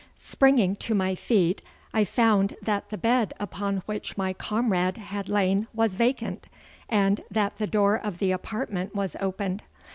Springing to my feet I found that the bed upon which my comrade had lain was vacant, and that the door of the apartment was opened.